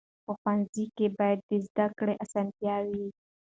په ښوونځي کې باید د زده کړې اسانتیاوې وي.